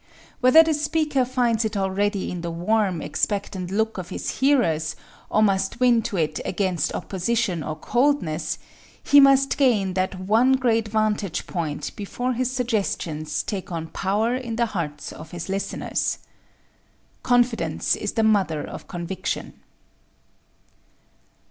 _ Whether the speaker finds it already in the warm, expectant look of his hearers, or must win to it against opposition or coldness, he must gain that one great vantage point before his suggestions take on power in the hearts of his listeners. Confidence is the mother of Conviction.